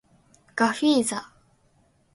ガフィーザ